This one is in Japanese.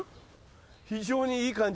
非常にいい感じ。